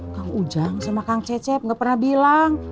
kang ujang sama kang cecep gak pernah bilang